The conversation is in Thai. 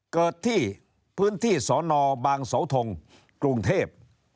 เกิดที่พื้นที่สอนอบางเสาทงกรุงเทพ